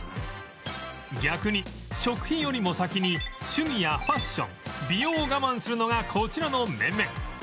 逆に食費よりも先に趣味やファッション美容を我慢するのがこちらの面々